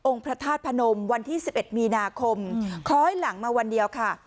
พระธาตุพนมวันที่๑๑มีนาคมคล้อยหลังมาวันเดียวค่ะ